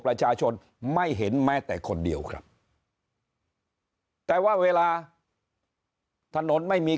ประชาชนไม่เห็นแม้แต่คนเดียวครับแต่ว่าเวลาถนนไม่มี